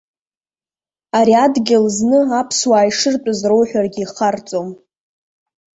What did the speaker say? Ари адгьыл зны аԥсуаа ишыртәыз роуҳәаргьы ихарҵом.